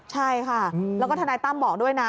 ใช่ค่ะแล้วก็ทนายตั้มบอกด้วยนะ